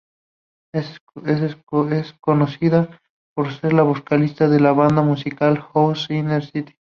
Es conocida por ser la vocalista de la banda de música house Inner City.